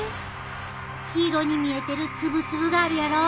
黄色に見えてるつぶつぶがあるやろ？